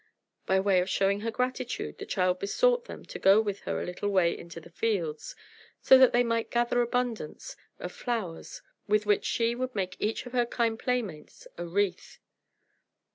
By way of showing her gratitude, the child besought them to go with her a little way into the fields, so that they might gather abundance of flowers, with which she would make each of her kind playmates a wreath.